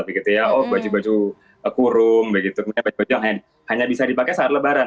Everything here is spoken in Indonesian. baju baju kurung baju baju yang hanya bisa dipakai saat lebaran